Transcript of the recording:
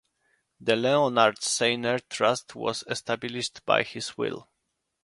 The Leonard Sainer Trust was established by his will.